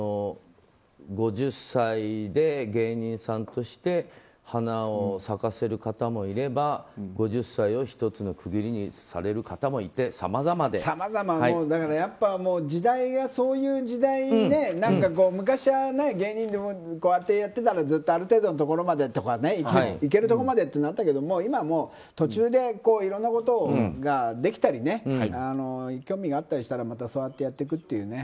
５０歳で芸人さんとして花を咲かせる方もいれば５０歳を１つの区切りにされる方もいて時代がそういう時代にね昔はね、芸人ってやってたらずっとある程度のところまでとかいけるところまでとかあったけど今は途中でいろんなことができたり興味があったりしたらそうやってやっていくっていうね。